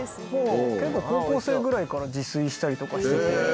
結構高校生ぐらいから自炊したりとかしてて。